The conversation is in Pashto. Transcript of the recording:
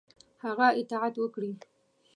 هغه اطاعت وکړي.